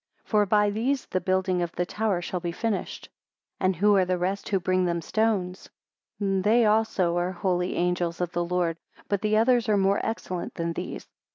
For by these the building of the tower shall be finished. 45 And who are the rest who bring them stones? 46 They also are the holy angels of the Lord; but the others are more excellent than these.